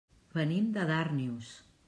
Venim de Darnius.